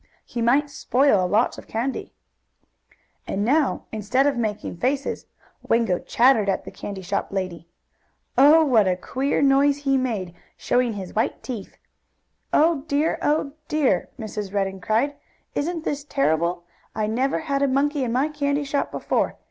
He might spoil a lot of candy. And now, instead of making faces Wango chattered at the candy shop lady. Oh! what a queer noise he made, showing his white teeth. "Oh dear! oh dear!" Mrs. Redden cried. "Isn't this terrible? I never had a monkey in my candy shop before.